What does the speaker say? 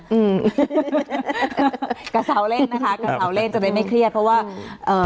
อืมกระเซาเล่นนะคะกระเซาเล่นจะได้ไม่เครียดเพราะว่าเอ่อ